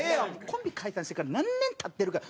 コンビ解散してから何年経ってるか。